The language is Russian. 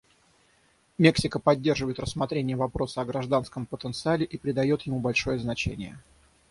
Мексика поддерживает рассмотрение вопроса о гражданском потенциале и придает ему большое значение.